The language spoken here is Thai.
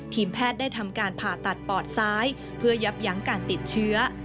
แพทย์ได้ทำการผ่าตัดปอดซ้ายเพื่อยับยั้งการติดเชื้อ